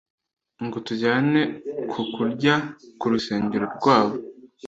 ngo tujyane ku kurya ku rusengero rwabo,